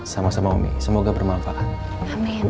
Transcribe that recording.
sama sama umi semoga bermanfaat